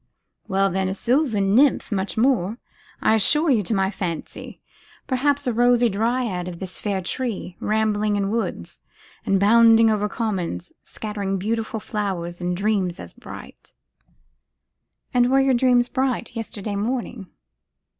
'Well, then, a sylvan nymph, much more, I assure you, to my fancy; perhaps the rosy Dryad of this fair tree; rambling in woods, and bounding over commons, scattering beautiful flowers, and dreams as bright.' 'And were your dreams bright yesterday morning?